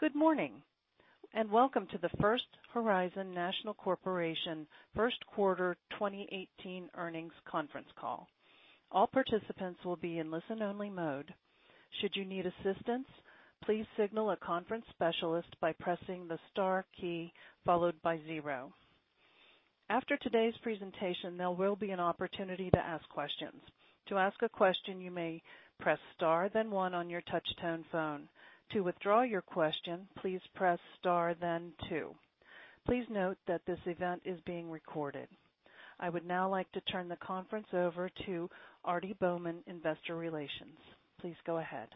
Good morning, and welcome to the First Horizon National Corporation first quarter 2018 earnings conference call. All participants will be in listen-only mode. Should you need assistance, please signal a conference specialist by pressing the star key, followed by zero. After today's presentation, there will be an opportunity to ask questions. To ask a question, you may press star then one on your touch-tone phone. To withdraw your question, please press star, then two. Please note that this event is being recorded. I would now like to turn the conference over to Aarti Bowman, Investor Relations. Please go ahead.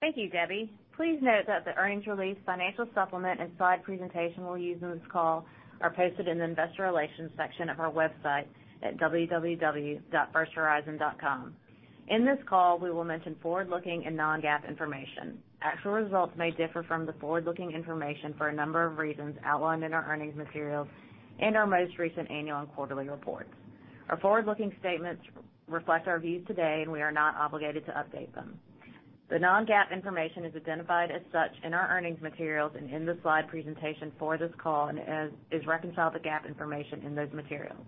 Thank you, Debbie. Please note that the earnings release, financial supplement and slide presentation we'll use in this call are posted in the investor relations section of our website at www.firsthorizon.com. In this call, we will mention forward-looking and non-GAAP information. Actual results may differ from the forward-looking information for a number of reasons outlined in our earnings materials, and our most recent annual and quarterly reports. Our forward-looking statements reflect our views today, and we are not obligated to update them. The non-GAAP information is identified as such in our earnings materials and in the slide presentation for this call, and is reconciled to GAAP information in those materials.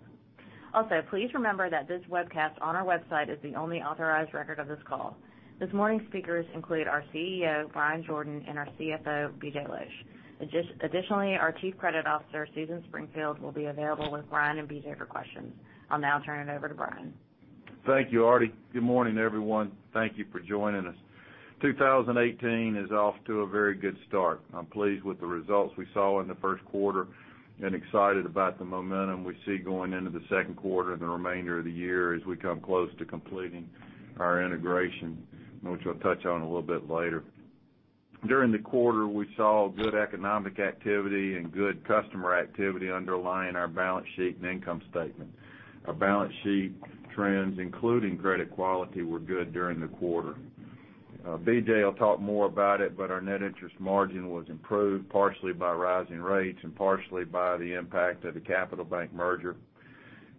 Also, please remember that this webcast on our website is the only authorized record of this call. This morning's speakers include our CEO, Bryan Jordan, and our CFO, BJ Losch. Additionally, our Chief Credit Officer, Susan Springfield, will be available with Bryan and BJ for questions. I'll now turn it over to Bryan. Thank you, Aarti. Good morning, everyone. Thank you for joining us. 2018 is off to a very good start. I'm pleased with the results we saw in the first quarter, and excited about the momentum we see going into the second quarter and the remainder of the year as we come close to completing our integration, which we'll touch on a little bit later. During the quarter, we saw good economic activity and good customer activity underlying our balance sheet and income statement. Our balance sheet trends, including credit quality, were good during the quarter. BJ will talk more about it, but our net interest margin was improved partially by rising rates and partially by the impact of the Capital Bank merger.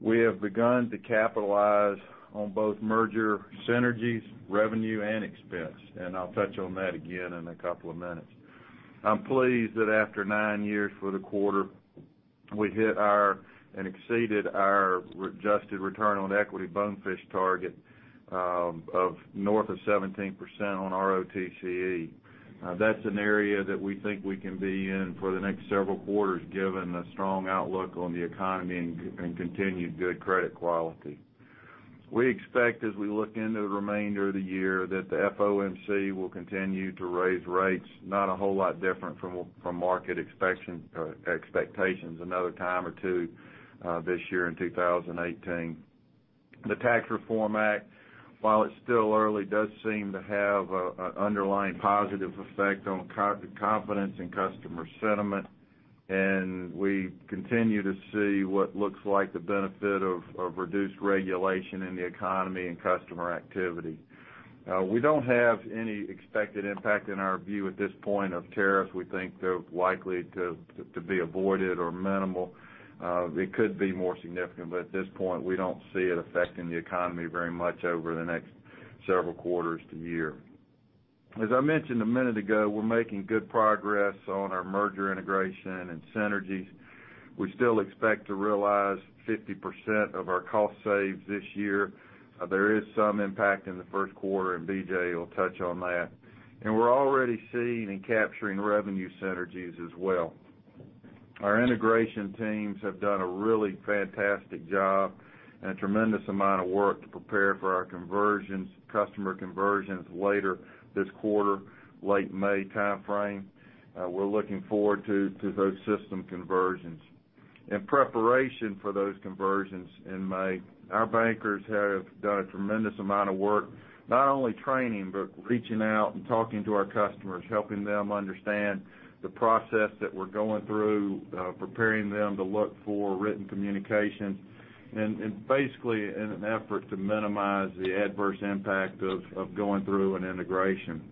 We have begun to capitalize on both merger synergies, revenue, and expense, and I'll touch on that again in a couple of minutes. I'm pleased that after nine years, for the quarter, we hit our and exceeded our adjusted return on equity Bonefish target of north of 17% on ROTCE. That's an area that we think we can be in for the next several quarters, given the strong outlook on the economy and continued good credit quality. We expect as we look into the remainder of the year that the FOMC will continue to raise rates, not a whole lot different from market expectations, another time or two this year in 2018. The Tax Reform Act, while it's still early, does seem to have an underlying positive effect on confidence and customer sentiment. We continue to see what looks like the benefit of reduced regulation in the economy and customer activity. We don't have any expected impact in our view at this point of tariffs. We think they're likely to be avoided or minimal. It could be more significant, but at this point, we don't see it affecting the economy very much over the next several quarters to year. As I mentioned a minute ago, we're making good progress on our merger integration and synergies. We still expect to realize 50% of our cost saves this year. There is some impact in the first quarter, and BJ will touch on that. We're already seeing and capturing revenue synergies as well. Our integration teams have done a really fantastic job and a tremendous amount of work to prepare for our customer conversions later this quarter, late May timeframe. We're looking forward to those system conversions. In preparation for those conversions in May, our bankers have done a tremendous amount of work, not only training, but reaching out and talking to our customers, helping them understand the process that we're going through, preparing them to look for written communication, and basically in an effort to minimize the adverse impact of going through an integration.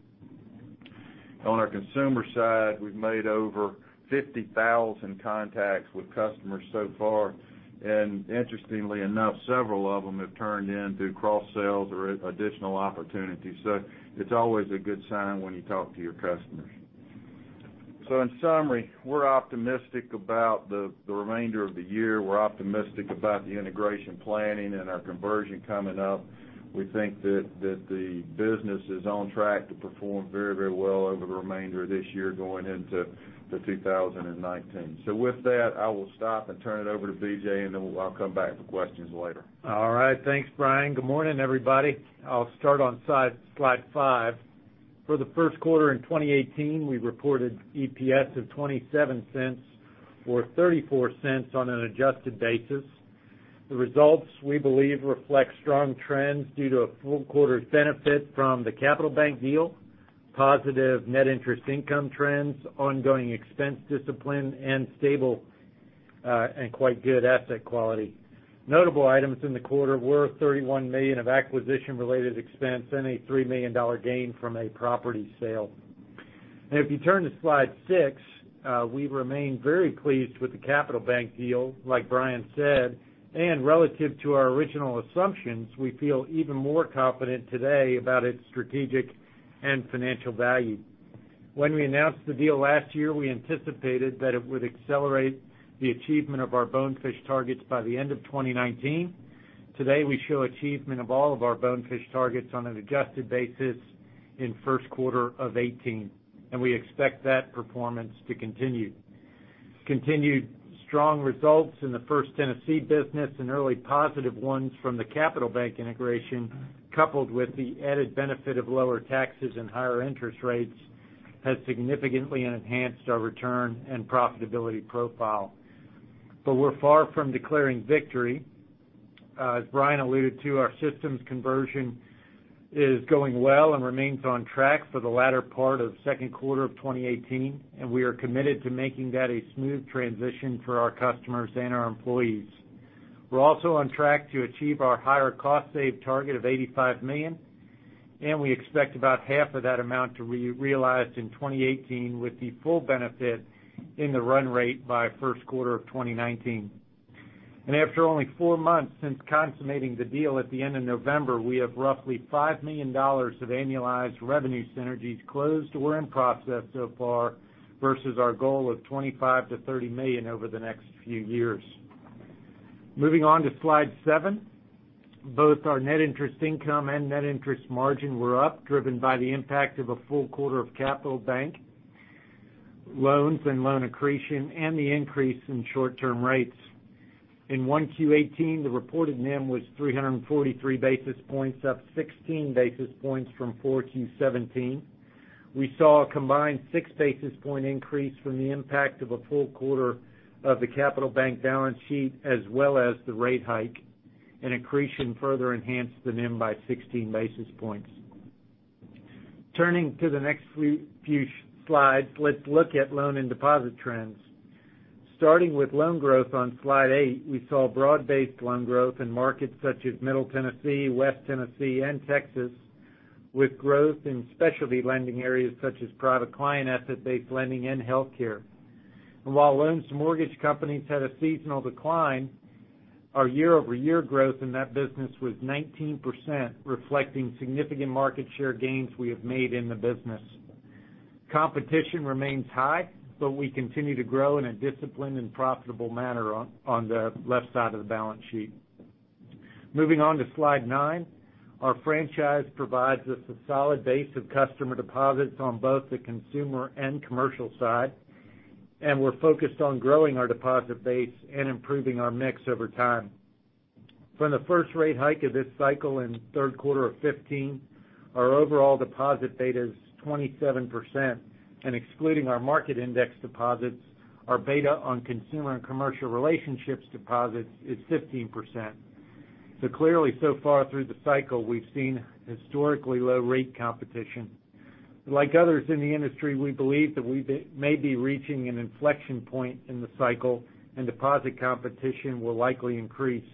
On our consumer side, we've made over 50,000 contacts with customers so far. Interestingly enough, several of them have turned into cross-sales or additional opportunities. It's always a good sign when you talk to your customers. In summary, we're optimistic about the remainder of the year. We're optimistic about the integration planning and our conversion coming up. We think that the business is on track to perform very well over the remainder of this year going into 2019. With that, I will stop and turn it over to BJ, and then I'll come back for questions later. All right. Thanks, Bryan. Good morning, everybody. I'll start on slide five. For the first quarter in 2018, we reported EPS of $0.27 or $0.34 on an adjusted basis. The results, we believe, reflect strong trends due to a full quarter's benefit from the Capital Bank deal, positive net interest income trends, ongoing expense discipline, and stable, and quite good asset quality. Notable items in the quarter were $31 million of acquisition-related expense and a $3 million gain from a property sale. If you turn to slide six, we remain very pleased with the Capital Bank deal, like Bryan said, and relative to our original assumptions, we feel even more confident today about its strategic and financial value. When we announced the deal last year, we anticipated that it would accelerate the achievement of our Bonefish targets by the end of 2019. Today, we show achievement of all of our Bonefish targets on an adjusted basis in first quarter of 2018, and we expect that performance to continue. Continued strong results in the First Tennessee business and early positive ones from the Capital Bank integration, coupled with the added benefit of lower taxes and higher interest rates, has significantly enhanced our return and profitability profile. We're far from declaring victory. As Bryan alluded to, our systems conversion is going well and remains on track for the latter part of second quarter of 2018, and we are committed to making that a smooth transition for our customers and our employees. We're also on track to achieve our higher cost save target of $85 million, and we expect about half of that amount to realized in 2018 with the full benefit in the run rate by first quarter of 2019. After only four months since consummating the deal at the end of November, we have roughly $5 million of annualized revenue synergies closed or in process so far versus our goal of $25 million-$30 million over the next few years. Moving on to slide seven. Both our net interest income and net interest margin were up, driven by the impact of a full quarter of Capital Bank loans and loan accretion and the increase in short-term rates. In 1Q18, the reported NIM was 343 basis points, up 16 basis points from 4Q17. We saw a combined six basis point increase from the impact of a full quarter of the Capital Bank balance sheet, as well as the rate hike and accretion further enhanced the NIM by 16 basis points. Turning to the next few slides, let's look at loan and deposit trends. Starting with loan growth on Slide 8, we saw broad-based loan growth in markets such as Middle Tennessee, West Tennessee, and Texas with growth in specialty lending areas such as private client asset-based lending and healthcare. While loans to mortgage companies had a seasonal decline, our year-over-year growth in that business was 19%, reflecting significant market share gains we have made in the business. Competition remains high, but we continue to grow in a disciplined and profitable manner on the left side of the balance sheet. Moving on to Slide 9. Our franchise provides us a solid base of customer deposits on both the consumer and commercial side, and we're focused on growing our deposit base and improving our mix over time. From the first rate hike of this cycle in third quarter of 2015, our overall deposit beta is 27%, excluding our market index deposits, our beta on consumer and commercial relationships deposits is 15%. Clearly, so far through the cycle, we've seen historically low rate competition. Like others in the industry, we believe that we may be reaching an inflection point in the cycle and deposit competition will likely increase.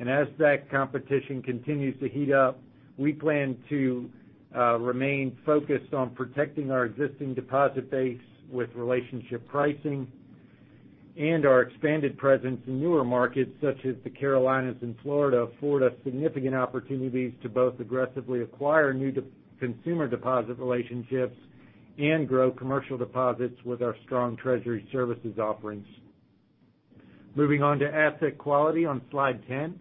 As that competition continues to heat up, we plan to remain focused on protecting our existing deposit base with relationship pricing and our expanded presence in newer markets such as the Carolinas and Florida afford us significant opportunities to both aggressively acquire new consumer deposit relationships and grow commercial deposits with our strong treasury services offerings. Moving on to asset quality on Slide 10.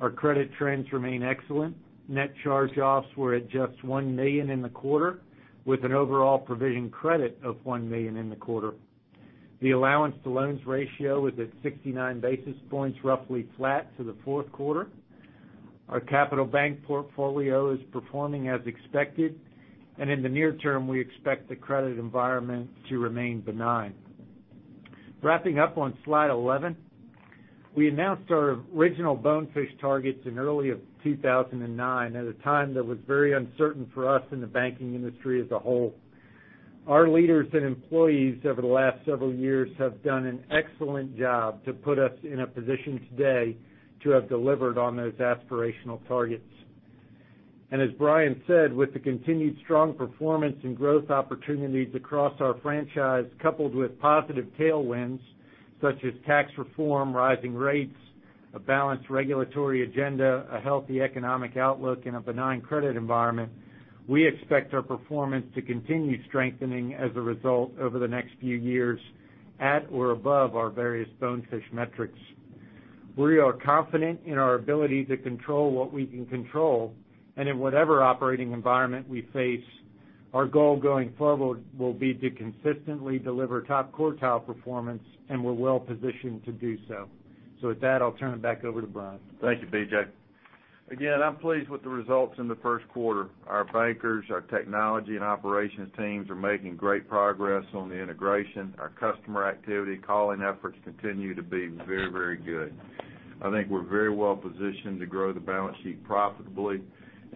Our credit trends remain excellent. Net charge-offs were at just $1 million in the quarter with an overall provision credit of $1 million in the quarter. The allowance to loans ratio is at 69 basis points, roughly flat to the fourth quarter. Our Capital Bank portfolio is performing as expected, and in the near term, we expect the credit environment to remain benign. Wrapping up on Slide 11. We announced our original Bonefish targets in early of 2009 at a time that was very uncertain for us in the banking industry as a whole. Our leaders and employees over the last several years have done an excellent job to put us in a position today to have delivered on those aspirational targets. As Bryan said, with the continued strong performance and growth opportunities across our franchise, coupled with positive tailwinds such as Tax Reform, rising rates, a balanced regulatory agenda, a healthy economic outlook, and a benign credit environment, we expect our performance to continue strengthening as a result over the next few years at or above our various Bonefish metrics. We are confident in our ability to control what we can control and in whatever operating environment we face, our goal going forward will be to consistently deliver top quartile performance, and we're well-positioned to do so. With that, I'll turn it back over to Bryan. Thank you, BJ. Again, I'm pleased with the results in the first quarter. Our bankers, our technology and operations teams are making great progress on the integration. Our customer activity calling efforts continue to be very good. I think we're very well positioned to grow the balance sheet profitably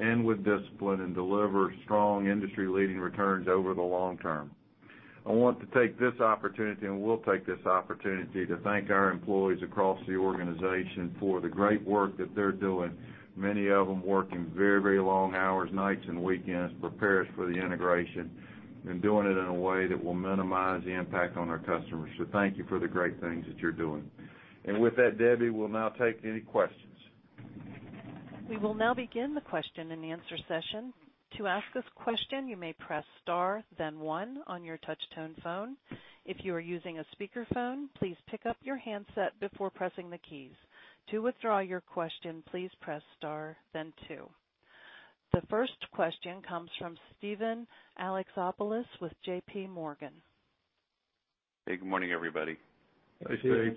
and with discipline and deliver strong industry-leading returns over the long term. I want to take this opportunity, and will take this opportunity to thank our employees across the organization for the great work that they're doing. Many of them working very long hours, nights, and weekends to prepare us for the integration and doing it in a way that will minimize the impact on our customers. Thank you for the great things that you're doing. With that, Debbie, we'll now take any questions. We will now begin the question and answer session. To ask a question, you may press star then one on your touch-tone phone. If you are using a speakerphone, please pick up your handset before pressing the keys. To withdraw your question, please press star then two. The first question comes from Steven Alexopoulos with JPMorgan. Hey, good morning, everybody. Hey,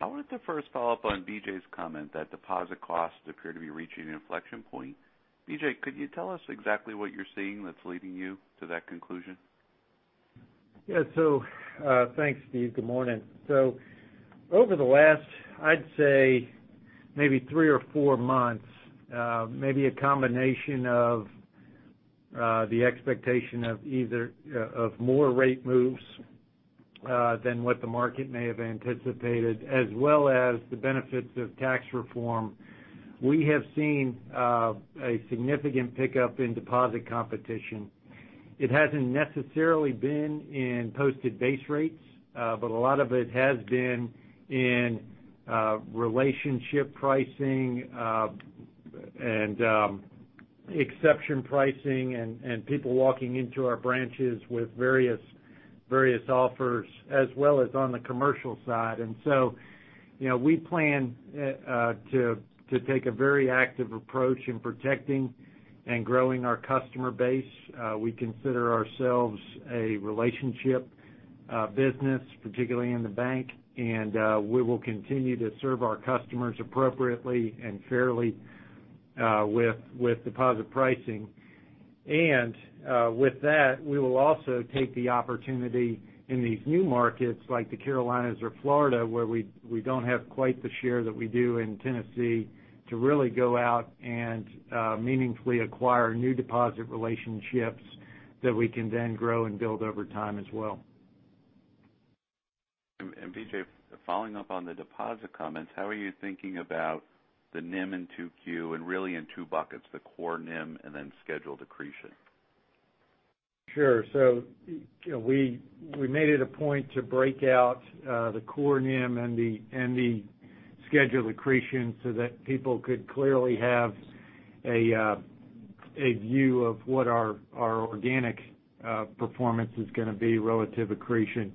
Steve. I wanted to first follow up on BJ's comment that deposit costs appear to be reaching an inflection point. BJ, could you tell us exactly what you're seeing that's leading you to that conclusion? Yeah. Thanks, Steve. Good morning. Over the last, I'd say maybe 3 or 4 months, maybe a combination of the expectation of more rate moves than what the market may have anticipated, as well as the benefits of Tax Reform. We have seen a significant pickup in deposit competition. It hasn't necessarily been in posted base rates, but a lot of it has been in relationship pricing, and exception pricing and people walking into our branches with various offers as well as on the commercial side. We plan to take a very active approach in protecting and growing our customer base. We consider ourselves a relationship business, particularly in the bank, and we will continue to serve our customers appropriately and fairly, with deposit pricing. With that, we will also take the opportunity in these new markets, like the Carolinas or Florida, where we don't have quite the share that we do in Tennessee to really go out and meaningfully acquire new deposit relationships that we can then grow and build over time as well. BJ, following up on the deposit comments, how are you thinking about the NIM in 2Q and really in 2 buckets, the core NIM and then scheduled accretion? Sure. We made it a point to break out the core NIM and the scheduled accretion so that people could clearly have a view of what our organic performance is going to be relative accretion.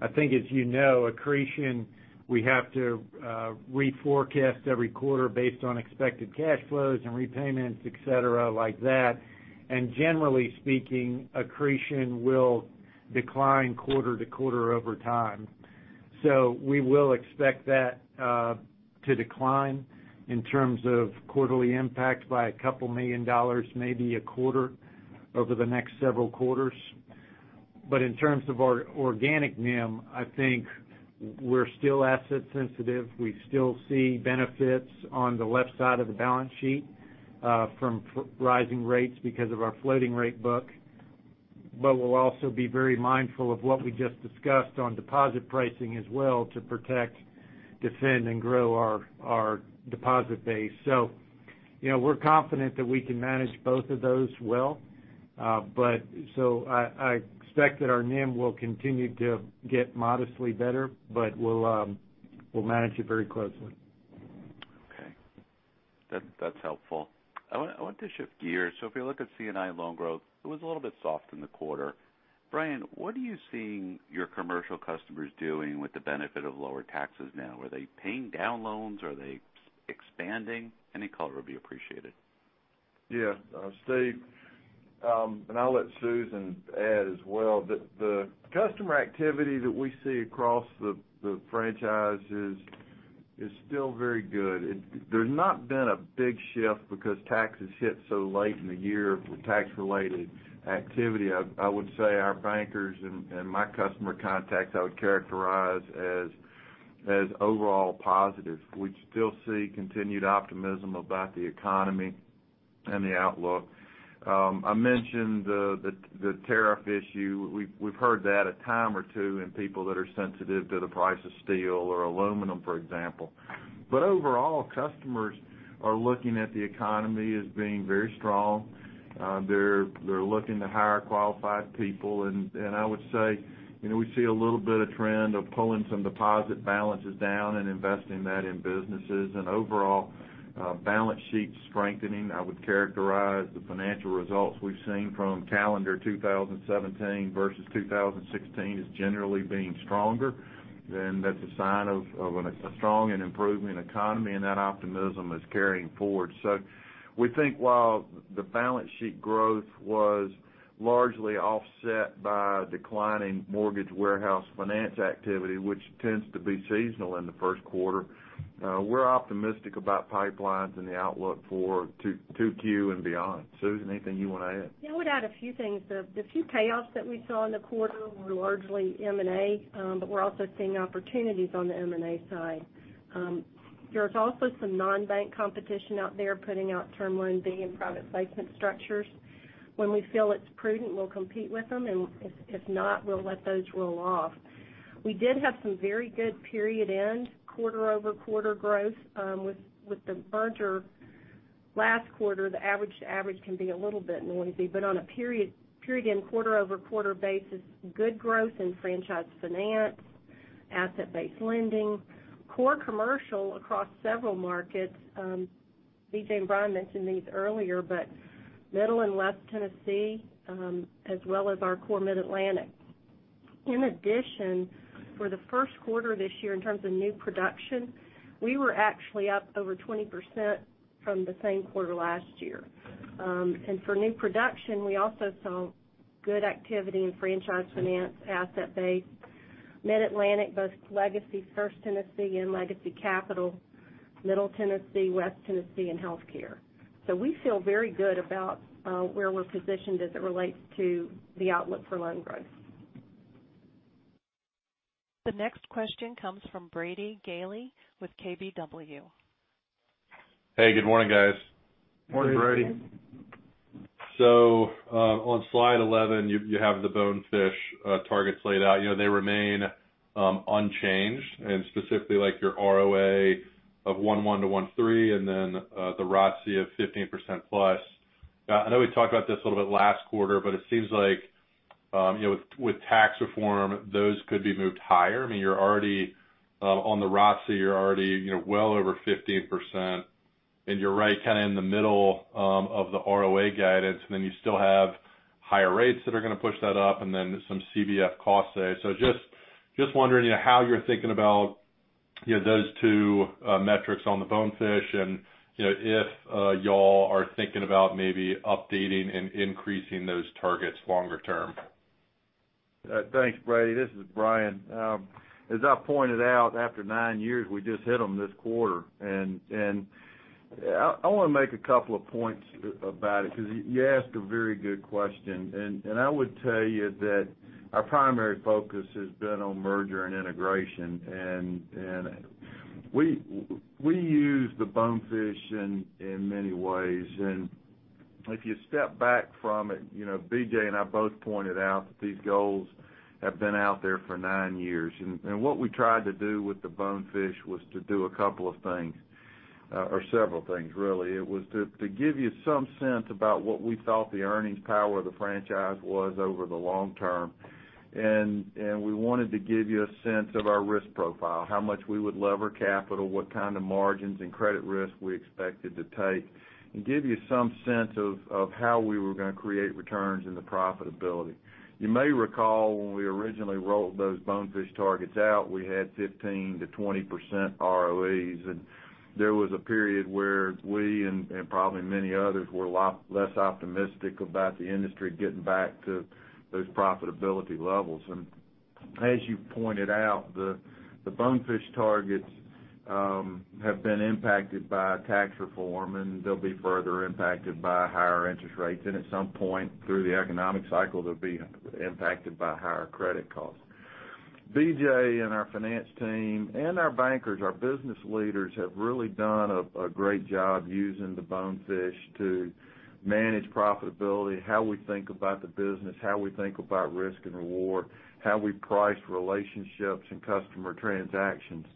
I think as you know, accretion, we have to reforecast every quarter based on expected cash flows and repayments, et cetera, like that. Generally speaking, accretion will decline quarter-to-quarter over time. We will expect that to decline in terms of quarterly impact by a couple million dollars, maybe a quarter over the next several quarters. In terms of our organic NIM, I think we're still asset sensitive. We still see benefits on the left side of the balance sheet from rising rates because of our floating rate book. We'll also be very mindful of what we just discussed on deposit pricing as well to protect, defend, and grow our deposit base. We're confident that we can manage both of those well. I expect that our NIM will continue to get modestly better, but we'll manage it very closely. Okay. That's helpful. I want to shift gears. If we look at C&I loan growth, it was a little bit soft in the quarter. Bryan, what are you seeing your commercial customers doing with the benefit of lower taxes now? Are they paying down loans? Are they expanding? Any color will be appreciated. Yeah. Steve, and I'll let Susan add as well. The customer activity that we see across the franchise is still very good. There's not been a big shift because taxes hit so late in the year for tax-related activity. I would say our bankers and my customer contacts, I would characterize as overall positive. We still see continued optimism about the economy and the outlook. I mentioned the tariff issue. We've heard that a time or two and people that are sensitive to the price of steel or aluminum, for example. Overall, customers are looking at the economy as being very strong. They're looking to hire qualified people. I would say, we see a little bit of trend of pulling some deposit balances down and investing that in businesses and overall, balance sheet strengthening. I would characterize the financial results we've seen from calendar 2017 versus 2016 as generally being stronger than that's a sign of a strong and improving economy, and that optimism is carrying forward. We think while the balance sheet growth was largely offset by declining mortgage warehouse finance activity, which tends to be seasonal in the first quarter, we're optimistic about pipelines and the outlook for 2Q and beyond. Susan, anything you want to add? Yeah, I would add a few things. The few payoffs that we saw in the quarter were largely M&A, but we are also seeing opportunities on the M&A side. There is also some non-bank competition out there putting out Term Loan B and private placement structures. When we feel it is prudent, we will compete with them, and if not, we will let those roll off. We did have some very good period end quarter-over-quarter growth. With the merger last quarter, the average can be a little bit noisy, but on a period quarter-over-quarter basis, good growth in franchise finance, Asset-based lending, core commercial across several markets. BJ and Bryan mentioned these earlier, but Middle and West Tennessee, as well as our core Mid-Atlantic. In addition, for the first quarter this year, in terms of new production, we were actually up over 20% from the same quarter last year. For new production, we also saw good activity in franchise finance, Asset-based, Mid-Atlantic, both Legacy First Tennessee and Legacy Capital, Middle Tennessee, West Tennessee, and healthcare. We feel very good about where we are positioned as it relates to the outlook for loan growth. The next question comes from Brady Gailey with KBW. Hey, good morning, guys. Morning, Brady. On slide 11, you have the Bonefish targets laid out. They remain unchanged, and specifically like your ROA of 1.1%-1.3%, and then the ROTCE of 15% plus. I know we talked about this a little bit last quarter, but it seems like, with Tax Reform, those could be moved higher. On the ROTCE, you're already well over 15%, and you're right in the middle of the ROA guidance. You still have higher rates that are going to push that up, and then some CBF costs there. Just wondering how you're thinking about those two metrics on the Bonefish and if y'all are thinking about maybe updating and increasing those targets longer term. Thanks, Brady. This is Bryan. As I pointed out, after nine years, we just hit them this quarter. I want to make a couple of points about it because you asked a very good question. I would tell you that our primary focus has been on merger and integration. We use the Bonefish in many ways. If you step back from it, BJ and I both pointed out that these goals have been out there for nine years. What we tried to do with the Bonefish was to do a couple of things, or several things, really. It was to give you some sense about what we thought the earnings power of the franchise was over the long term. We wanted to give you a sense of our risk profile, how much we would lever capital, what kind of margins and credit risk we expected to take, and give you some sense of how we were going to create returns into profitability. You may recall when we originally rolled those Bonefish targets out, we had 15%-20% ROEs. There was a period where we, and probably many others, were a lot less optimistic about the industry getting back to those profitability levels. As you pointed out, the Bonefish targets have been impacted by Tax Reform, and they'll be further impacted by higher interest rates. At some point, through the economic cycle, they'll be impacted by higher credit costs. BJ and our finance team and our bankers, our business leaders, have really done a great job using the Bonefish to manage profitability, how we think about the business, how we think about risk and reward, how we price relationships and customer transactions.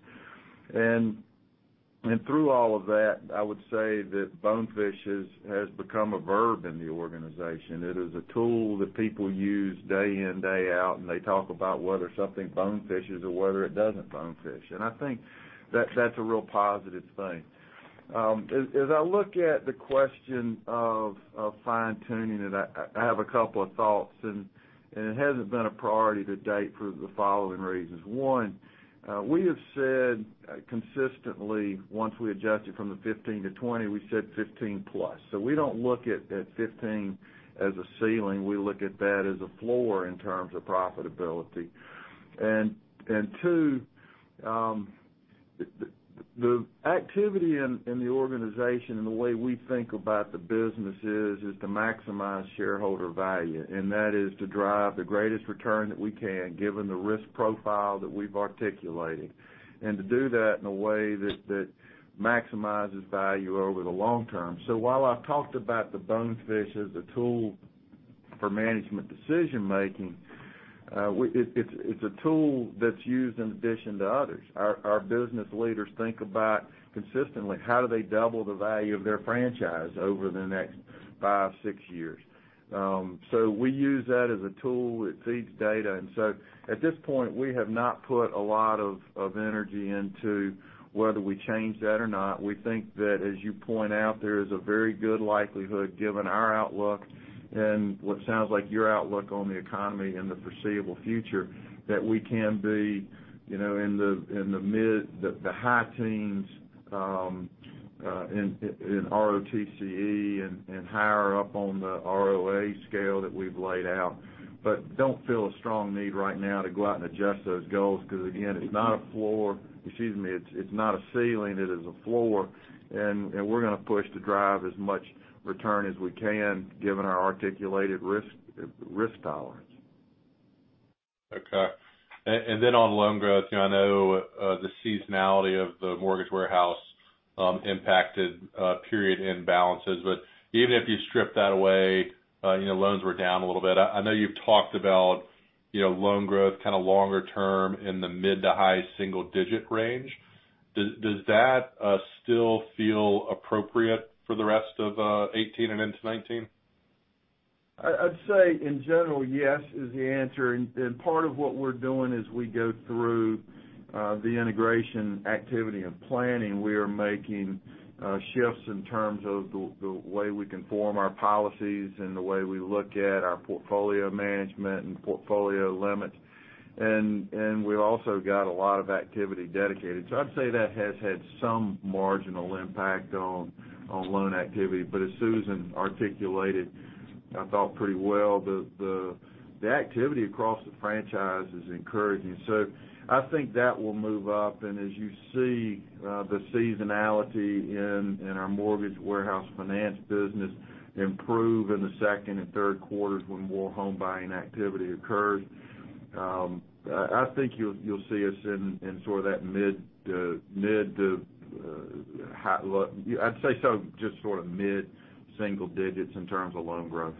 Through all of that, I would say that Bonefish has become a verb in the organization. It is a tool that people use day in, day out, and they talk about whether something Bonefishes or whether it doesn't Bonefish. I think that's a real positive thing. As I look at the question of fine-tuning it, I have a couple of thoughts, and it hasn't been a priority to date for the following reasons. One, we have said consistently, once we adjusted from the 15 to 20, we said 15 plus. We don't look at 15 as a ceiling. We look at that as a floor in terms of profitability. Two, the activity in the organization and the way we think about the business is to maximize shareholder value, and that is to drive the greatest return that we can given the risk profile that we've articulated, and to do that in a way that maximizes value over the long term. While I've talked about the Bonefish as a tool for management decision-making, it's a tool that's used in addition to others. Our business leaders think about consistently, how do they double the value of their franchise over the next five, six years? We use that as a tool. It feeds data. At this point, we have not put a lot of energy into whether we change that or not. We think that, as you point out, there is a very good likelihood, given our outlook and what sounds like your outlook on the economy in the foreseeable future, that we can be in the high teens in ROTCE and higher up on the ROA scale that we've laid out. Don't feel a strong need right now to go out and adjust those goals because again, it's not a ceiling, it is a floor, and we're going to push to drive as much return as we can, given our articulated risk tolerance. Okay. On loan growth, I know the seasonality of the mortgage warehouse impacted period end balances. Even if you strip that away, loans were down a little bit. I know you've talked about loan growth kind of longer term in the mid to high single-digit range. Does that still feel appropriate for the rest of 2018 and into 2019? I'd say in general, yes is the answer. Part of what we're doing as we go through the integration activity and planning, we are making shifts in terms of the way we can form our policies and the way we look at our portfolio management and portfolio limits. We also got a lot of activity dedicated. I'd say that has had some marginal impact on loan activity. As Susan articulated, I thought pretty well, the activity across the franchise is encouraging. I think that will move up, and as you see the seasonality in our mortgage warehouse finance business improve in the second and third quarters when more home buying activity occurs. I think you'll see us in sort of that mid to high. I'd say just sort of mid-single digits in terms of loan growth.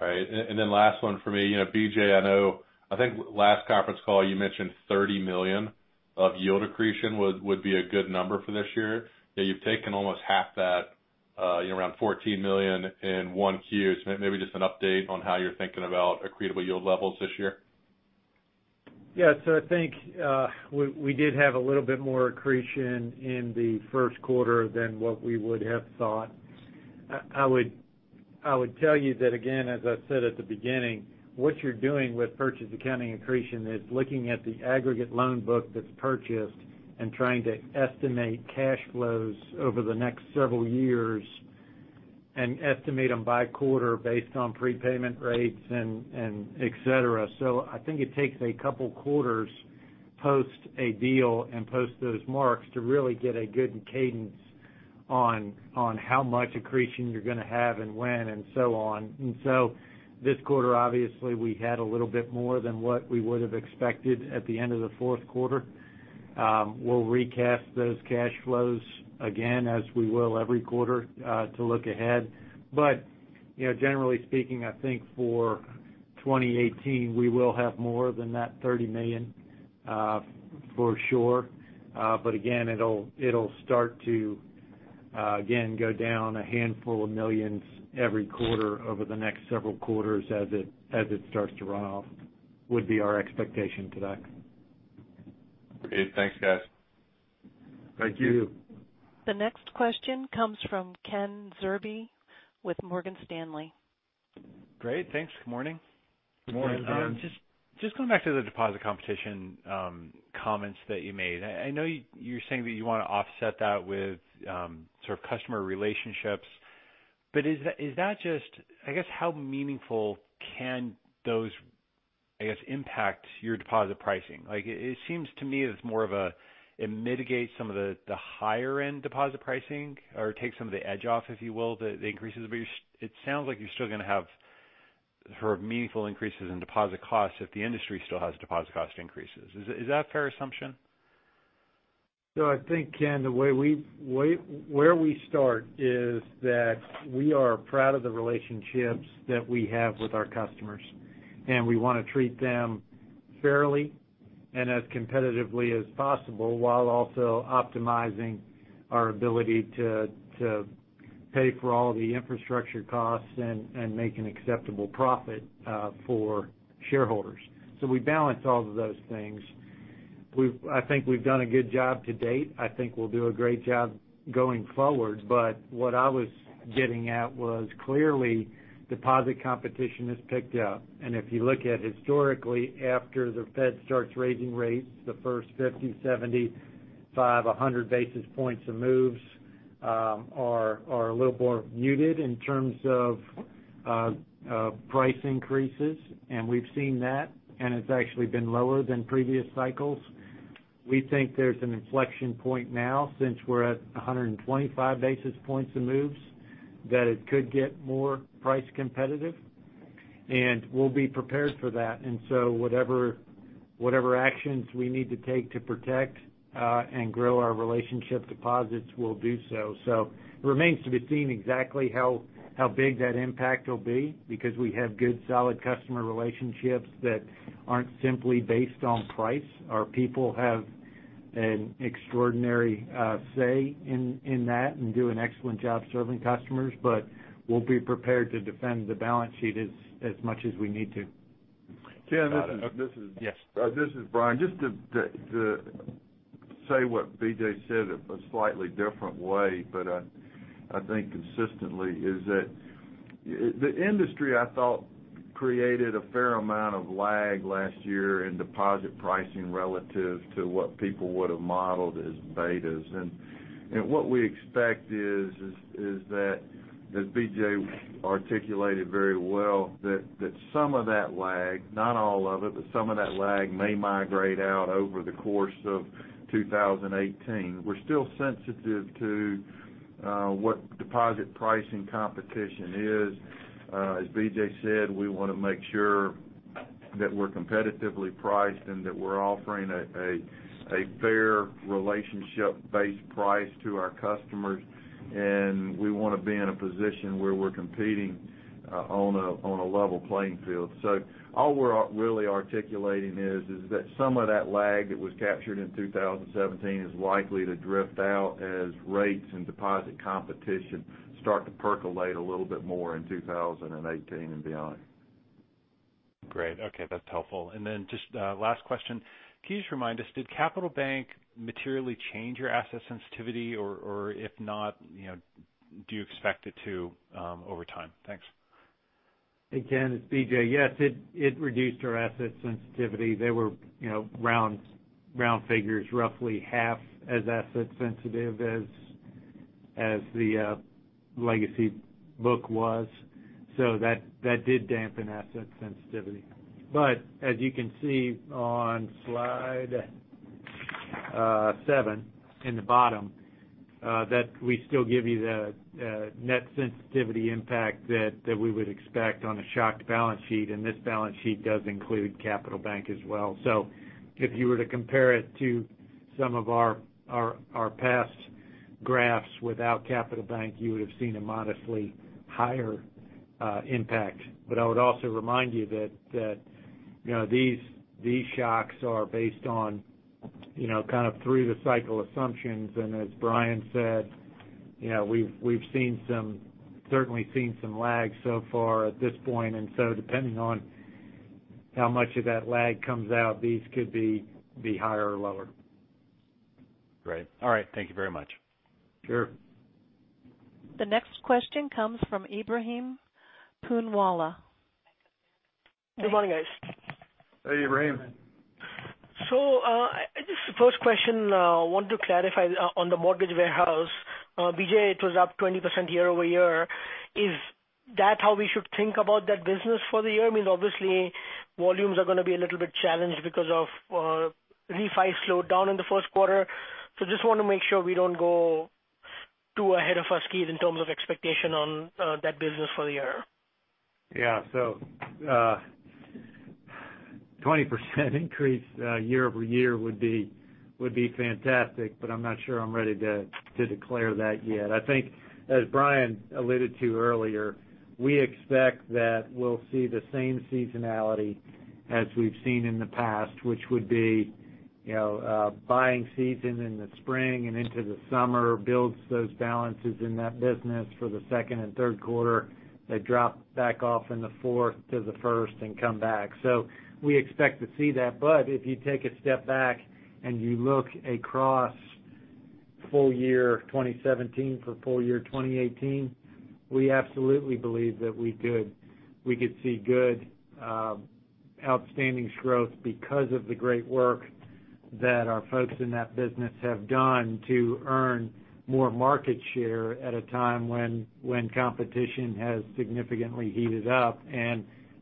All right. Last one for me. BJ, I think last conference call, you mentioned $30 million of yield accretion would be a good number for this year, that you've taken almost half that, around $14 million in 1Q. Maybe just an update on how you're thinking about accretable yield levels this year. Yes. I think, we did have a little bit more accretion in the first quarter than what we would have thought. I would tell you that, again, as I said at the beginning, what you're doing with purchase accounting accretion is looking at the aggregate loan book that's purchased and trying to estimate cash flows over the next several years and estimate them by quarter based on prepayment rates, and et cetera. I think it takes a couple quarters post a deal and post those marks to really get a good cadence on how much accretion you're going to have and when and so on. This quarter, obviously, we had a little bit more than what we would have expected at the end of the fourth quarter. We'll recast those cash flows again, as we will every quarter, to look ahead. Generally speaking, I think for 2018, we will have more than that $30 million, for sure. Again, it'll start to, again, go down a handful of millions every quarter over the next several quarters as it starts to run off, would be our expectation to that. Great. Thanks, guys. Thank you. Thank you. The next question comes from Ken Zerbe with Morgan Stanley. Great. Thanks. Good morning. Good morning, Ken. Just going back to the deposit competition comments that you made. I know you're saying that you want to offset that with sort of customer relationships, I guess how meaningful can those, I guess, impact your deposit pricing? It seems to me it mitigates some of the higher-end deposit pricing or takes some of the edge off, if you will, the increases. It sounds like you're still going to have meaningful increases in deposit costs if the industry still has deposit cost increases. Is that a fair assumption? I think, Ken, where we start is that we are proud of the relationships that we have with our customers, and we want to treat them fairly and as competitively as possible, while also optimizing our ability to pay for all of the infrastructure costs and make an acceptable profit for shareholders. We balance all of those things. I think we've done a good job to date. I think we'll do a great job going forward. What I was getting at was, clearly, deposit competition has picked up. If you look at historically, after the Fed starts raising rates, the first 50, 75, 100 basis points of moves are a little more muted in terms of price increases. We've seen that, and it's actually been lower than previous cycles. We think there's an inflection point now, since we're at 125 basis points of moves, that it could get more price competitive, and we'll be prepared for that. Whatever actions we need to take to protect, and grow our relationship deposits, we'll do so. It remains to be seen exactly how big that impact will be, because we have good, solid customer relationships that aren't simply based on price. Our people have an extraordinary say in that and do an excellent job serving customers. We'll be prepared to defend the balance sheet as much as we need to. Ken, Yes. This is Bryan. Just to say what BJ said a slightly different way, but I think consistently, is that the industry, I thought, created a fair amount of lag last year in deposit pricing relative to what people would have modeled as betas. What we expect is that, as BJ articulated very well, that some of that lag, not all of it, but some of that lag may migrate out over the course of 2018. We're still sensitive to what deposit pricing competition is. As BJ said, we want to make sure that we're competitively priced and that we're offering a fair relationship-based price to our customers. We want to be in a position where we're competing on a level playing field. All we're really articulating is that some of that lag that was captured in 2017 is likely to drift out as rates and deposit competition start to percolate a little bit more in 2018 and beyond. Great. Okay, that's helpful. Just last question. Can you just remind us, did Capital Bank materially change your asset sensitivity? If not, do you expect it to over time? Thanks. Again, it's BJ. It reduced our asset sensitivity. They were round figures, roughly half as asset sensitive as the legacy book was. That did dampen asset sensitivity. As you can see on slide seven in the bottom, we still give you the net sensitivity impact that we would expect on a shocked balance sheet, and this balance sheet does include Capital Bank as well. If you were to compare it to some of our past graphs without Capital Bank, you would've seen a modestly higher impact. I would also remind you that these shocks are based on kind of through-the-cycle assumptions. As Bryan said, we've certainly seen some lag so far at this point, depending on how much of that lag comes out, these could be higher or lower. Great. All right. Thank you very much. Sure. The next question comes from Ebrahim Poonawala. Good morning, guys. Hey, Ebrahim. Just the first question, wanted to clarify on the mortgage warehouse. BJ, it was up 20% year-over-year. Is that how we should think about that business for the year? I mean, obviously, volumes are going to be a little bit challenged because of refi slowdown in the first quarter. Just want to make sure we don't go too ahead of ourselves in terms of expectation on that business for the year. Yeah. 20% increase year-over-year would be fantastic, but I'm not sure I'm ready to declare that yet. I think as Bryan alluded to earlier, we expect that we'll see the same seasonality as we've seen in the past, which would be buying season in the spring and into the summer builds those balances in that business for the second and third quarter. They drop back off in the fourth to the first and come back. We expect to see that. If you take a step back and you look across full year 2017 for full year 2018, we absolutely believe that we could see good outstanding growth because of the great work that our folks in that business have done to earn more market share at a time when competition has significantly heated up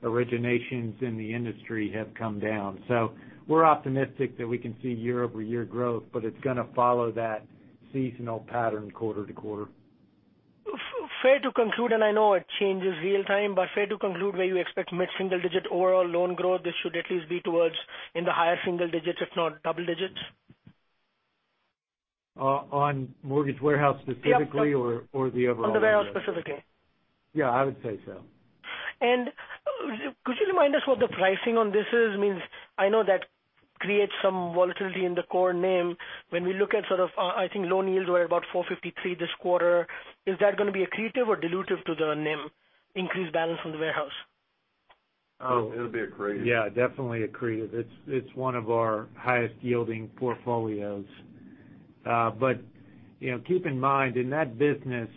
and originations in the industry have come down. We're optimistic that we can see year-over-year growth, but it's going to follow that seasonal pattern quarter-to-quarter. Fair to conclude, and I know it changes real time, but fair to conclude where you expect mid-single digit overall loan growth, this should at least be towards in the higher single digits, if not double digits? On mortgage warehouse specifically. Yep The overall? On the warehouse specifically. Yeah, I would say so. Could you remind us what the pricing on this is? I know that creates some volatility in the core NIM. When we look at, I think loan yields were about 453 this quarter. Is that going to be accretive or dilutive to the NIM increased balance from the warehouse? It'll be accretive. Yeah, definitely accretive. It's one of our highest-yielding portfolios. Keep in mind, in that business,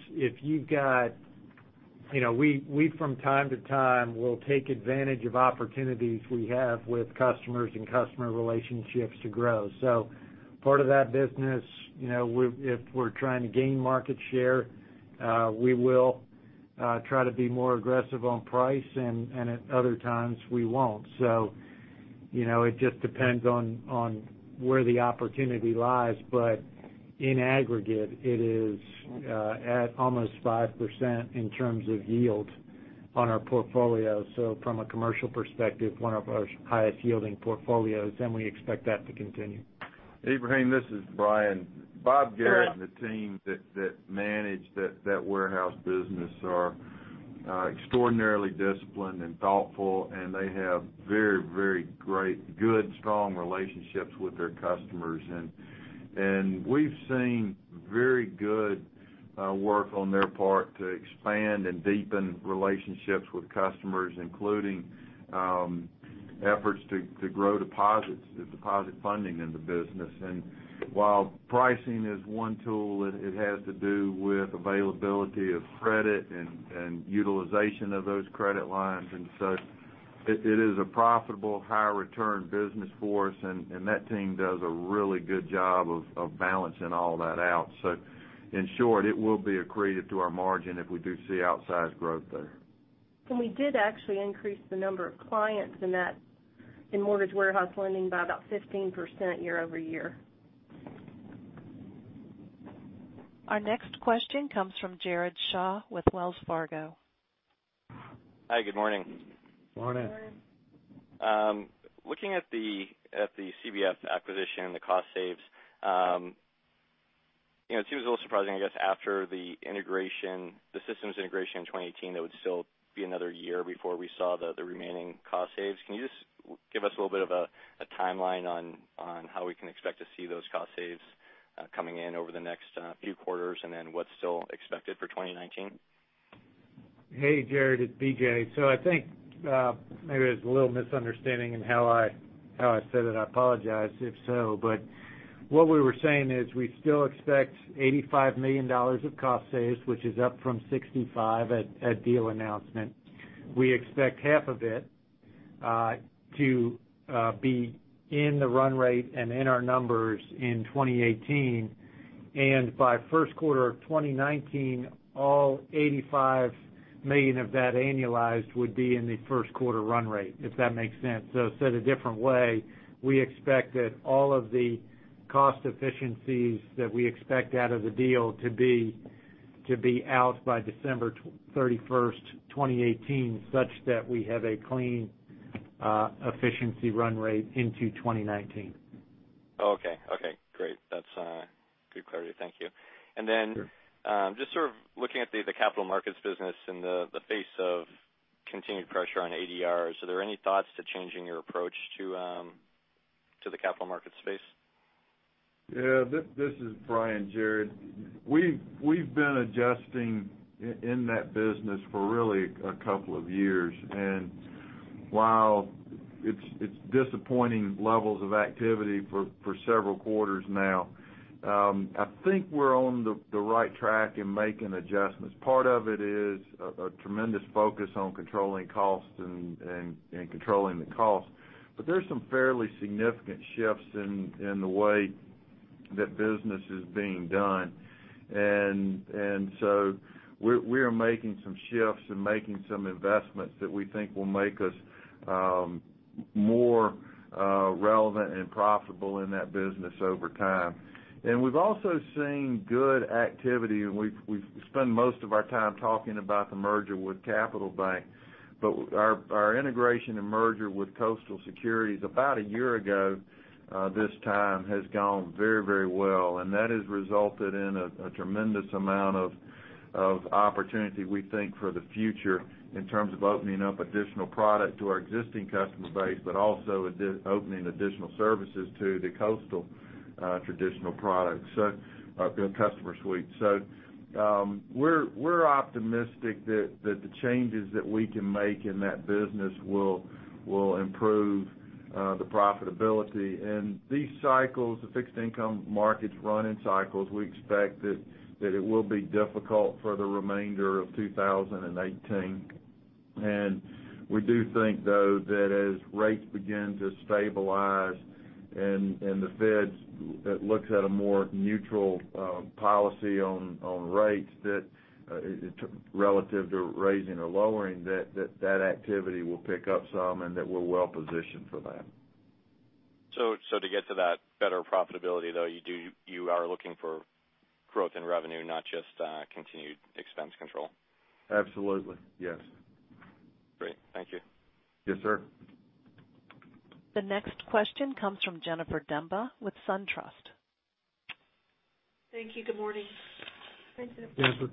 we from time to time, will take advantage of opportunities we have with customers and customer relationships to grow. Part of that business, if we're trying to gain market share, we will try to be more aggressive on price, and at other times we won't. It just depends on where the opportunity lies, but in aggregate, it is at almost 5% in terms of yield on our portfolio. From a commercial perspective, one of our highest-yielding portfolios, and we expect that to continue. Ebrahim, this is Bryan. Bob Garrett. Yeah The team that manage that warehouse business are extraordinarily disciplined and thoughtful, and they have very great, good, strong relationships with their customers. We've seen very good work on their part to expand and deepen relationships with customers, including efforts to grow deposits, the deposit funding in the business. While pricing is one tool, it has to do with availability of credit and utilization of those credit lines. It is a profitable, high return business for us, and that team does a really good job of balancing all that out. In short, it will be accreted to our margin if we do see outsized growth there. We did actually increase the number of clients in mortgage warehouse lending by about 15% year-over-year. Our next question comes from Jared Shaw with Wells Fargo. Hi, good morning. Morning. Morning. Looking at the CBF acquisition, the cost saves, it seems a little surprising, I guess, after the systems integration in 2018, that would still be another year before we saw the remaining cost saves. Can you just Give us a little bit of a timeline on how we can expect to see those cost saves coming in over the next few quarters, and then what's still expected for 2019? Hey, Jared, it's BJ. I think maybe there's a little misunderstanding in how I said it. I apologize if so. What we were saying is we still expect $85 million of cost saves, which is up from $65 at deal announcement. We expect half of it to be in the run rate and in our numbers in 2018. By first quarter of 2019, all $85 million of that annualized would be in the first quarter run rate, if that makes sense. Said a different way, we expect that all of the cost efficiencies that we expect out of the deal to be out by December 31st, 2018, such that we have a clean efficiency run rate into 2019. Okay, great. That's good clarity. Thank you. Sure. Then, just sort of looking at the capital markets business in the face of continued pressure on ADVs, are there any thoughts to changing your approach to the capital market space? Yeah, this is Bryan, Jared. We've been adjusting in that business for really a couple of years. While it's disappointing levels of activity for several quarters now, I think we're on the right track in making adjustments. Part of it is a tremendous focus on controlling costs and controlling the cost. There's some fairly significant shifts in the way that business is being done. We are making some shifts and making some investments that we think will make us more relevant and profitable in that business over time. We've also seen good activity, and we've spent most of our time talking about the merger with Capital Bank. Our integration and merger with Coastal Securities about a year ago this time has gone very well. That has resulted in a tremendous amount of opportunity, we think, for the future in terms of opening up additional product to our existing customer base, but also opening additional services to the Coastal traditional products, so the customer suite. We're optimistic that the changes that we can make in that business will improve the profitability. These cycles, the fixed income markets run in cycles. We expect that it will be difficult for the remainder of 2018. We do think, though, that as rates begin to stabilize and the Fed looks at a more neutral policy on rates relative to raising or lowering, that that activity will pick up some and that we're well positioned for that. To get to that better profitability, though, you are looking for growth in revenue, not just continued expense control? Absolutely, yes. Great. Thank you. Yes, sir. The next question comes from Jennifer Demba with SunTrust. Thank you. Good morning. Jennifer.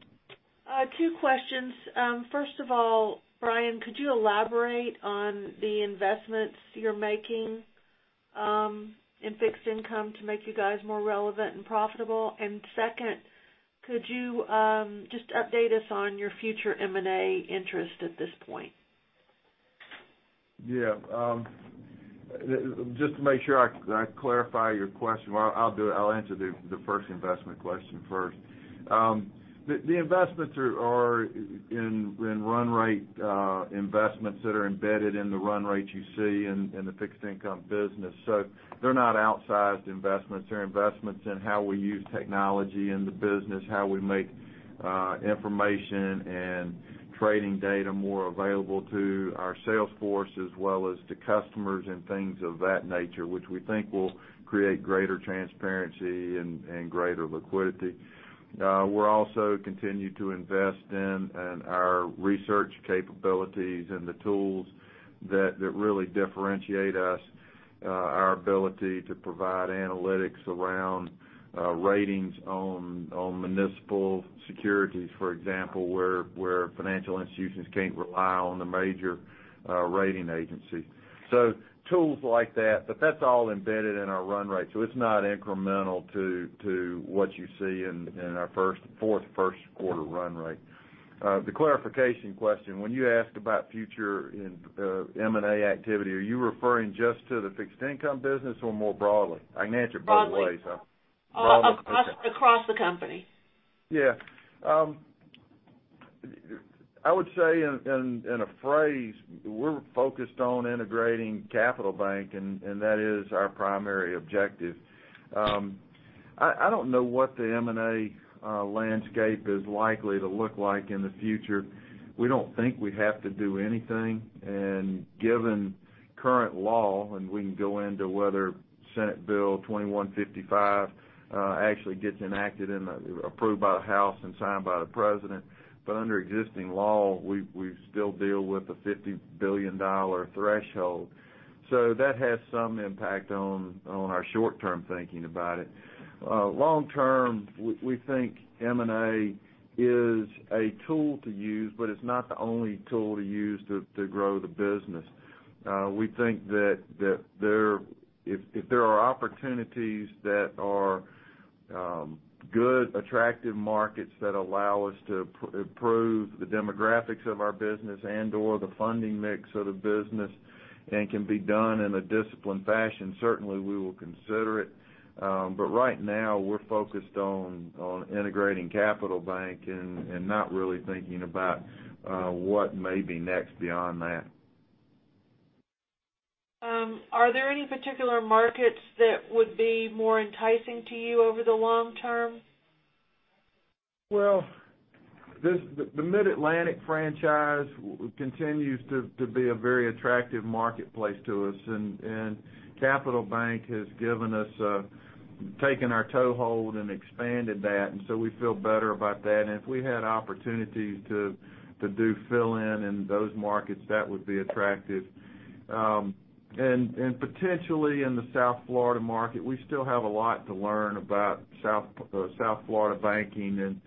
Two questions. First of all, Bryan, could you elaborate on the investments you're making in fixed income to make you guys more relevant and profitable? Second, could you just update us on your future M&A interest at this point? Yeah. Just to make sure I clarify your question, I'll answer the first investment question first. The investments are in run rate investments that are embedded in the run rates you see in the fixed income business. They're not outsized investments. They're investments in how we use technology in the business, how we make information and trading data more available to our sales force as well as to customers and things of that nature, which we think will create greater transparency and greater liquidity. We're also continuing to invest in our research capabilities and the tools that really differentiate us, our ability to provide analytics around ratings on municipal securities, for example, where financial institutions can't rely on the major rating agency. Tools like that. That's all embedded in our run rate. It's not incremental to what you see in our fourth first quarter run rate. The clarification question, when you asked about future M&A activity, are you referring just to the fixed income business or more broadly? I can answer it both ways. Broadly. Broadly, okay. Across the company. Yeah. I would say in a phrase, we're focused on integrating Capital Bank, and that is our primary objective. I don't know what the M&A landscape is likely to look like in the future. We don't think we have to do anything, and given current law, and we can go into whether Senate Bill 2155 actually gets enacted and approved by the House and signed by the President. Under existing law, we still deal with a $50 billion threshold. That has some impact on our short-term thinking about it. Long term, we think M&A is a tool to use, but it's not the only tool to use to grow the business. We think that if there are opportunities that are good attractive markets that allow us to improve the demographics of our business or the funding mix of the business and can be done in a disciplined fashion, certainly we will consider it. Right now we're focused on integrating Capital Bank and not really thinking about what may be next beyond that. Are there any particular markets that would be more enticing to you over the long term? Well, the Mid-Atlantic franchise continues to be a very attractive marketplace to us, Capital Bank has taken our toehold and expanded that, so we feel better about that. If we had opportunities to do fill-in in those markets, that would be attractive. Potentially in the South Florida market, we still have a lot to learn about South Florida banking.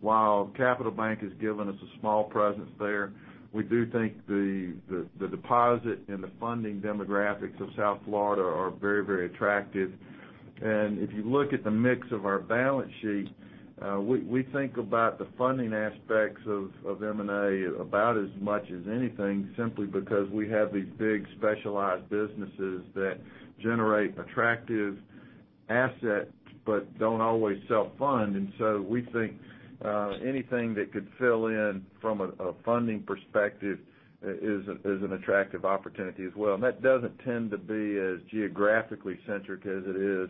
While Capital Bank has given us a small presence there, we do think the deposit and the funding demographics of South Florida are very attractive. If you look at the mix of our balance sheet, we think about the funding aspects of M&A about as much as anything, simply because we have these big specialized businesses that generate attractive assets but don't always self-fund. So we think anything that could fill in from a funding perspective is an attractive opportunity as well. That doesn't tend to be as geographically centric as it is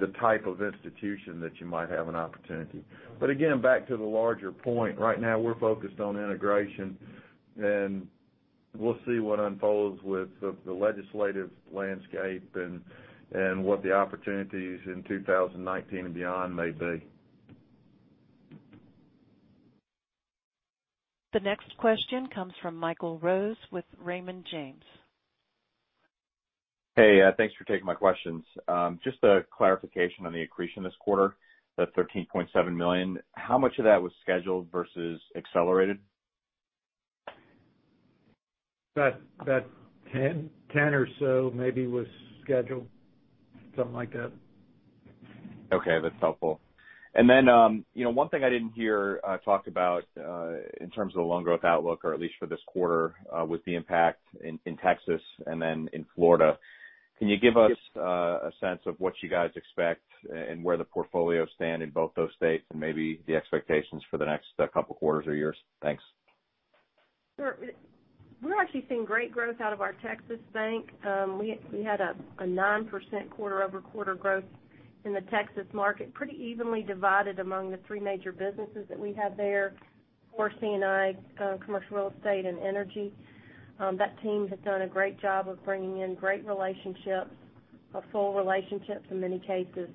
the type of institution that you might have an opportunity. Again, back to the larger point, right now we're focused on integration, and we'll see what unfolds with the legislative landscape and what the opportunities in 2019 and beyond may be. The next question comes from Michael Rose with Raymond James. Hey, thanks for taking my questions. Just a clarification on the accretion this quarter, the $13.7 million. How much of that was scheduled versus accelerated? About 10 or so maybe was scheduled, something like that. Okay, that's helpful. One thing I didn't hear talked about in terms of the loan growth outlook or at least for this quarter with the impact in Texas and in Florida, can you give us a sense of what you guys expect and where the portfolios stand in both those states and maybe the expectations for the next couple quarters or years? Thanks. Sure. We're actually seeing great growth out of our Texas bank. We had a 9% quarter-over-quarter growth in the Texas market, pretty evenly divided among the three major businesses that we have there, core C&I, commercial real estate, and energy. That team has done a great job of bringing in great relationships, a full relationship in many cases.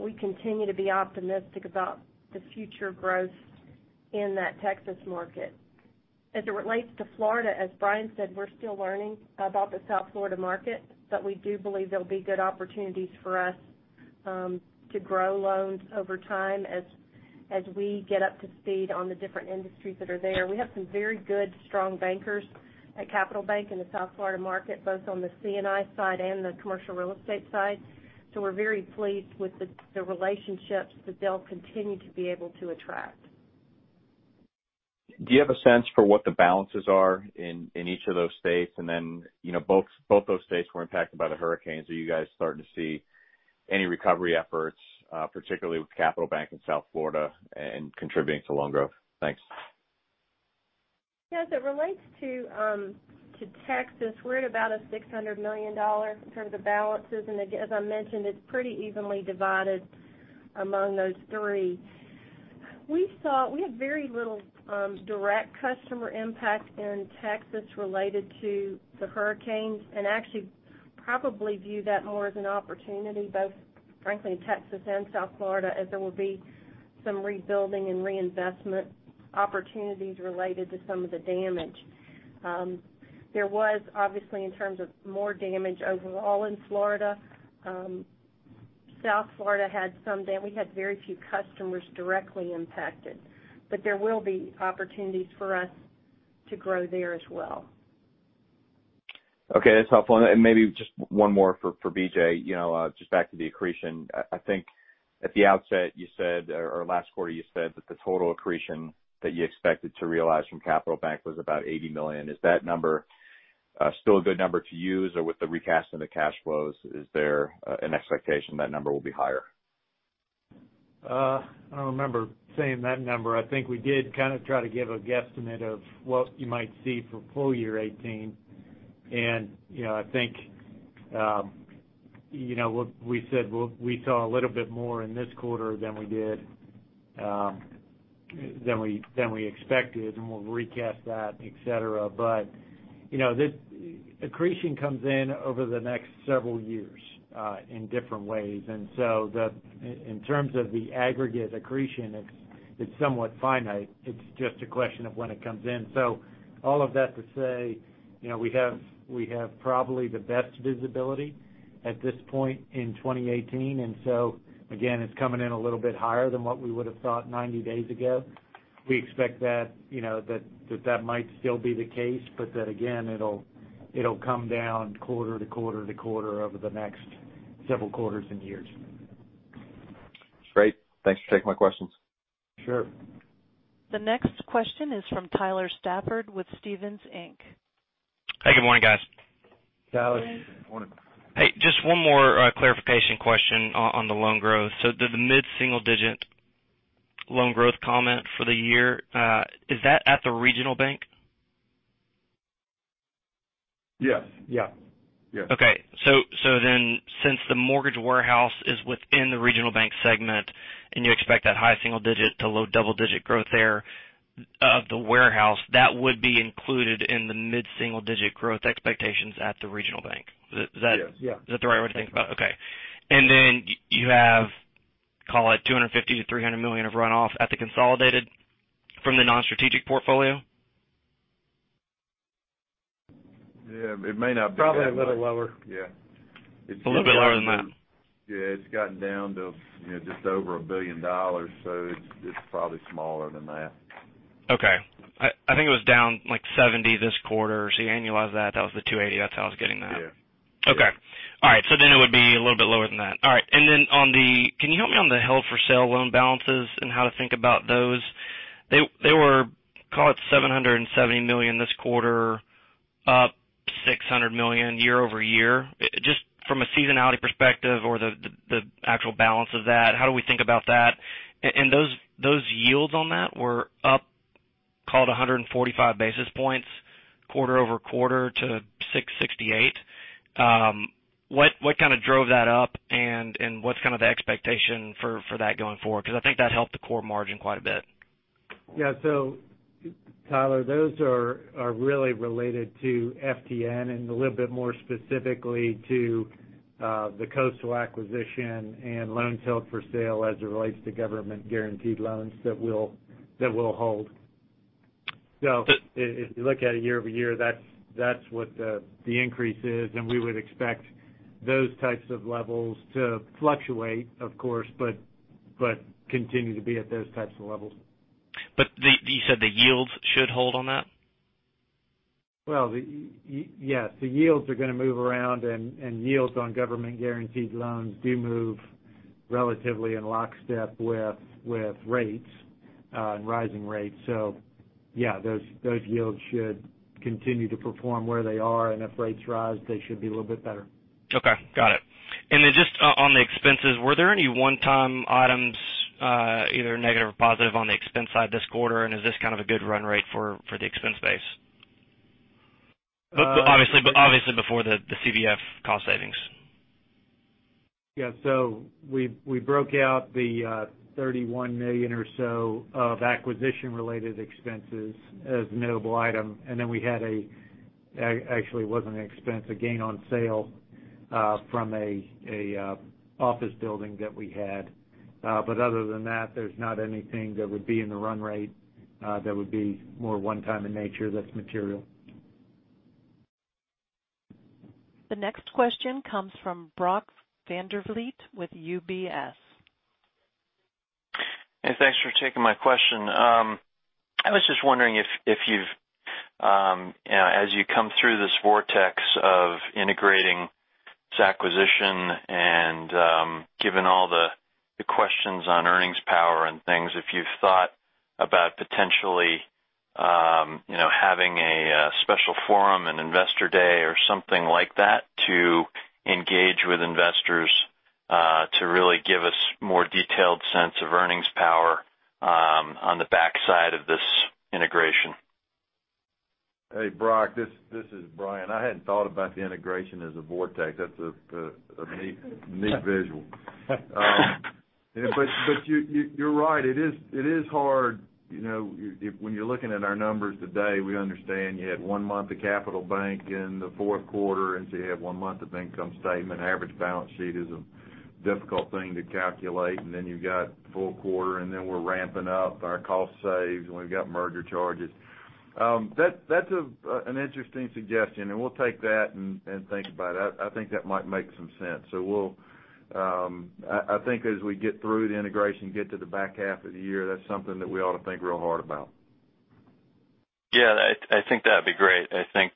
We continue to be optimistic about the future growth in that Texas market. As it relates to Florida, as Bryan said, we're still learning about the South Florida market, but we do believe there'll be good opportunities for us to grow loans over time as we get up to speed on the different industries that are there. We have some very good, strong bankers at Capital Bank in the South Florida market, both on the C&I side and the commercial real estate side. We're very pleased with the relationships that they'll continue to be able to attract. Do you have a sense for what the balances are in each of those states? Both those states were impacted by the hurricanes. Are you guys starting to see any recovery efforts, particularly with Capital Bank in South Florida and contributing to loan growth? Thanks. Yeah, as it relates to Texas, we're at about a $600 million in terms of balances, and as I mentioned, it's pretty evenly divided among those three. We had very little direct customer impact in Texas related to the hurricanes and actually probably view that more as an opportunity, both frankly in Texas and South Florida, as there will be some rebuilding and reinvestment opportunities related to some of the damage. There was obviously in terms of more damage overall in Florida. South Florida had some damage. We had very few customers directly impacted. There will be opportunities for us to grow there as well. Okay, that's helpful. Maybe just one more for BJ, just back to the accretion. I think at the outset you said, or last quarter you said that the total accretion that you expected to realize from Capital Bank was about $80 million. Is that number still a good number to use, or with the recast of the cash flows, is there an expectation that number will be higher? I don't remember saying that number. I think we did kind of try to give a guesstimate of what you might see for full year 2018. I think we said we saw a little bit more in this quarter than we expected, and we'll recast that, et cetera. Accretion comes in over the next several years in different ways. In terms of the aggregate accretion, it's somewhat finite. It's just a question of when it comes in. All of that to say we have probably the best visibility at this point in 2018. Again, it's coming in a little bit higher than what we would have thought 90 days ago. We expect that might still be the case, but that, again, it'll come down quarter to quarter over the next several quarters and years. Great. Thanks for taking my questions. Sure. The next question is from Tyler Stafford with Stephens Inc. Hey, good morning, guys. Tyler, good morning. Hey, just one more clarification question on the loan growth. The mid-single-digit loan growth comment for the year, is that at the Regional Bank? Yes. Yeah. Okay. Since the mortgage warehouse is within the Regional Bank segment and you expect that high single digit to low double-digit growth there of the warehouse, that would be included in the mid-single digit growth expectations at the Regional Bank, is that? Yes. Yeah is that the right way to think about? Okay. Then you have, call it $250 million-$300 million of runoff at the consolidated from the non-strategic portfolio? Yeah, it may not be. It's probably a little lower. Yeah. It's a little bit lower than that. Yeah, it's gotten down to just over $1 billion, so it's probably smaller than that. Okay. I think it was down like 70 this quarter. You annualize that was the 280. That's how I was getting that. Yeah. Okay. All right. It would be a little bit lower than that. All right. Can you help me on the held for sale loan balances and how to think about those? They were, call it, $770 million this quarter, up $600 million year-over-year. Just from a seasonality perspective or the actual balance of that, how do we think about that? Those yields on that were up, call it, 145 basis points quarter-over-quarter to 668. What kind of drove that up and what's kind of the expectation for that going forward? I think that helped the core margin quite a bit. Yeah. Tyler, those are really related to FTN and a little bit more specifically to the Coastal acquisition and loans held for sale as it relates to government guaranteed loans that we'll hold. If you look at it year-over-year, that's what the increase is, and we would expect those types of levels to fluctuate, of course, but continue to be at those types of levels. You said the yields should hold on that? Yes. The yields are going to move around, and yields on government guaranteed loans do move relatively in lockstep with rates and rising rates. Yeah, those yields should continue to perform where they are, and if rates rise, they should be a little bit better. Okay. Got it. Then just on the expenses, were there any one-time items, either negative or positive, on the expense side this quarter? Is this kind of a good run rate for the expense base? Obviously before the CBF cost savings. Yeah. We broke out the $31 million or so of acquisition-related expenses as a notable item. Then we had, actually it wasn't an expense, a gain on sale from an office building that we had. Other than that, there's not anything that would be in the run rate that would be more one time in nature that's material. The next question comes from Brock Vandervliet with UBS. Hey, thanks for taking my question. I was just wondering if as you come through this vortex of integrating this acquisition and given all the questions on earnings power and things, if you've thought about potentially having a special forum, an investor day or something like that to engage with investors to really give us more detailed sense of earnings power on the backside of this integration. Hey, Brock, this is Bryan. I hadn't thought about the integration as a vortex. That's a neat visual. You're right, it is hard. When you're looking at our numbers today, we understand you had one month of Capital Bank in the fourth quarter, you have one month of income statement. Average balance sheet is a difficult thing to calculate. You've got full quarter, and then we're ramping up our cost saves, and we've got merger charges. That's an interesting suggestion, and we'll take that and think about it. I think that might make some sense. I think as we get through the integration, get to the back half of the year, that's something that we ought to think real hard about. Yeah, I think that'd be great. I think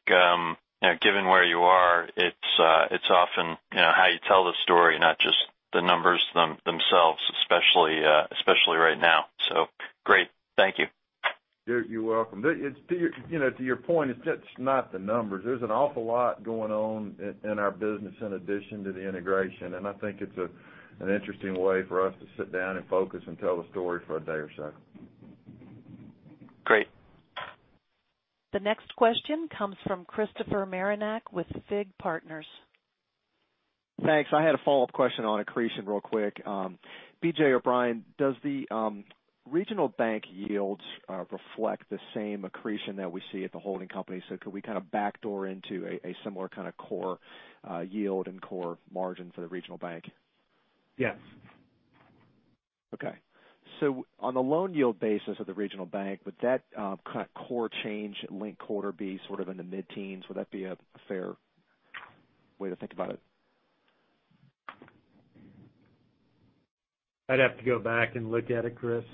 given where you are, it's often how you tell the story, not just the numbers themselves, especially right now. Great. Thank you. You're welcome. To your point, it's not the numbers. There's an awful lot going on in our business in addition to the integration, I think it's an interesting way for us to sit down and focus and tell the story for a day or so. Great. The next question comes from Christopher Marinac with FIG Partners. Thanks. I had a follow-up question on accretion real quick. BJ or Bryan, does the regional bank yields reflect the same accretion that we see at the holding company? Could we kind of backdoor into a similar kind of core yield and core margin for the regional bank? Yes. Okay. On the loan yield basis of the regional bank, would that kind of core change linked quarter be sort of in the mid-teens? Would that be a fair way to think about it? I'd have to go back and look at it, Chris.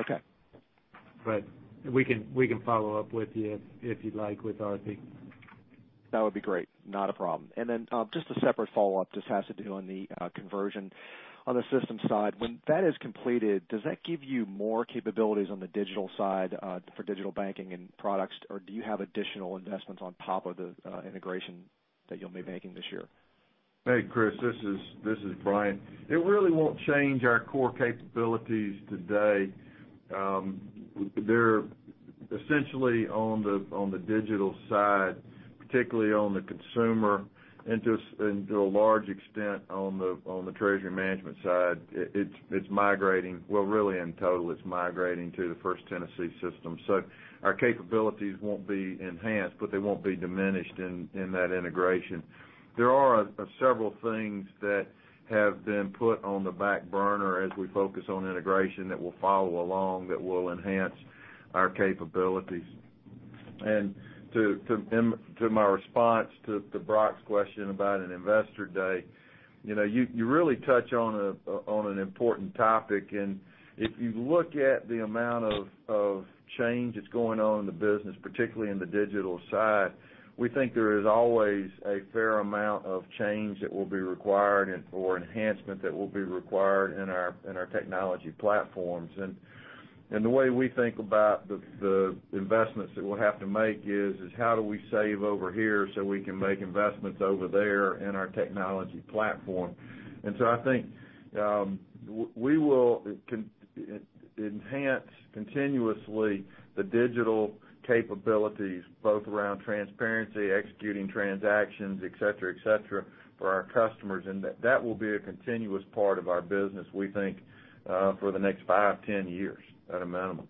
Okay. We can follow up with you, if you'd like, with Aarti. That would be great. Not a problem. Just a separate follow-up, just has to do on the conversion on the systems side. When that is completed, does that give you more capabilities on the digital side for digital banking and products, or do you have additional investments on top of the integration that you'll be making this year? Hey, Chris. This is Bryan. It really won't change our core capabilities today. They're essentially on the digital side, particularly on the consumer, and to a large extent, on the treasury management side. It's migrating. Well, really, in total, it's migrating to the First Tennessee system. Our capabilities won't be enhanced, but they won't be diminished in that integration. There are several things that have been put on the back burner as we focus on integration that will follow along that will enhance our capabilities. To my response to Brock's question about an investor day, you really touch on an important topic. If you look at the amount of change that's going on in the business, particularly in the digital side, we think there is always a fair amount of change that will be required or enhancement that will be required in our technology platforms. The way we think about the investments that we'll have to make is, how do we save over here so we can make investments over there in our technology platform? I think, we will enhance continuously the digital capabilities, both around transparency, executing transactions, et cetera, et cetera, for our customers. That will be a continuous part of our business, we think, for the next five, 10 years at a minimum.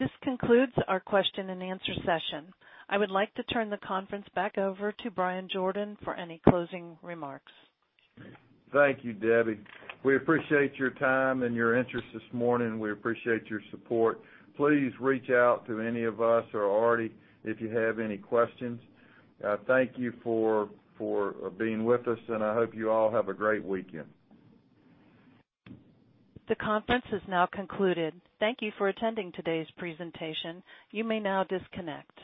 This concludes our question and answer session. I would like to turn the conference back over to Bryan Jordan for any closing remarks. Thank you, Debbie. We appreciate your time and your interest this morning. We appreciate your support. Please reach out to any of us or Aarti if you have any questions. Thank you for being with us, I hope you all have a great weekend. The conference has now concluded. Thank you for attending today's presentation. You may now disconnect.